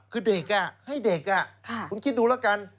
คือเด็กให้เด็กคุณคิดดูแล้วกัน